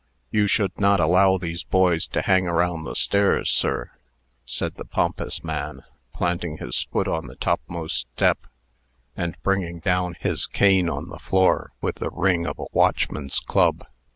"You should not allow these boys to hang around the stairs, sir," said the pompous man, planting his foot on the topmost step, and bringing down his cane on the floor with the ring of a watchman's club.